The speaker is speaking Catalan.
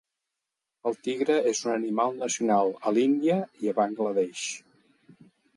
El tigre és un animal nacional a l'Índia i Bangla Desh.